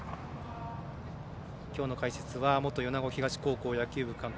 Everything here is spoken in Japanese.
きょうの解説は元米子東高校野球部監督